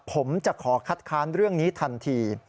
ผมจะขอคัดค้านเรื่องนี้ทันที